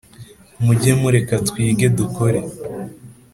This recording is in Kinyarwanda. Muge mu reka twige dukore